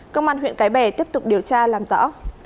công an huyện cái bè tiếp tục điều tra làm rõ